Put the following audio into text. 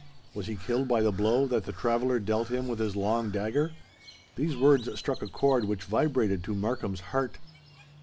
"Was he killed by the blow that the Traveller dealt him with his long dagger?" These words struck a chord which vibrated to Markham's heart.